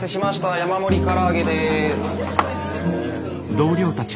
山盛り唐揚げです。